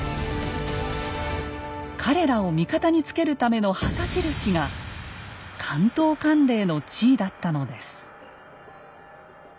彼らを味方につけるための旗印が関東管領の地位だったのです。